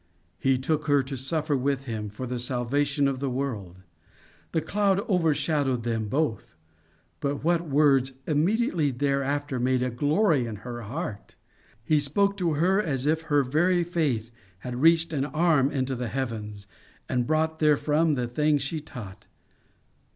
He took her to suffer with him for the salvation of the world. The cloud overshadowed them both, but what words immediately thereafter made a glory in her heart! He spoke to her as if her very faith had reached an arm into the heavens, and brought therefrom the thing she sought.